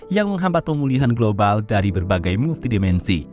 yang menghambat pemulihan global dari berbagai multidimensi